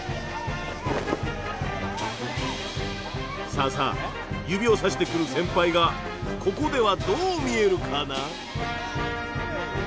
さあさあ指をさしてくる先輩がここではどう見えるかな？